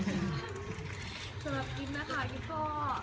สำหรับกิฟต์นะคะกิฟต์ก็